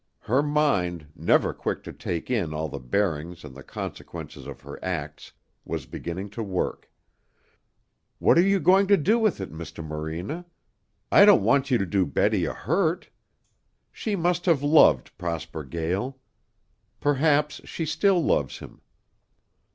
Her mind, never quick to take in all the bearings and the consequences of her acts, was beginning to work. "What are you going to do with it, Mr. Morena? I don't want you to do Betty a hurt. She must have loved Prosper Gael. Perhaps she still loves him."